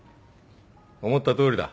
思ったとおりだ。